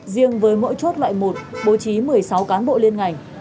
riêng với mỗi chốt loại một bố trí một mươi sáu cán bộ liên ngành